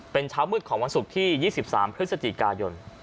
เป็นเช้ามืดของวันศุกร์ที่๒๓พฤศจิกายน